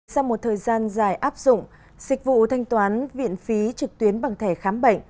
sau một thời gian dài áp dụng dịch vụ thanh toán viện phí trực tuyến bằng thẻ khám bệnh